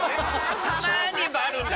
たまにやっぱあるんだ。